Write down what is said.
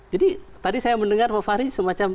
jadi tadi saya mendengar pak fahri semacam